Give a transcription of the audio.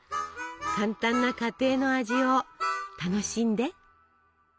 簡単な家庭の味を楽しんで。